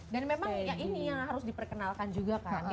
dan memang ini yang harus diperkenalkan juga kan